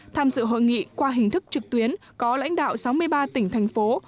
tham dự hội nghị qua hình thức trực tuyến có lãnh đạo sáu mươi ba tỉnh thành phố